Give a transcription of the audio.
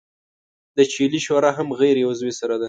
د چیلې شوره هم غیر عضوي سره ده.